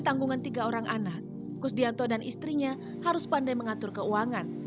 tanggungan tiga orang anak kusdianto dan istrinya harus pandai mengatur keuangan